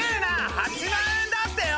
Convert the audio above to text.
８万円だってよ！